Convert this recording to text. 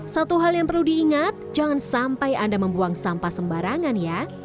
satu hal yang perlu diingat jangan sampai anda membuang sampah sembarangan ya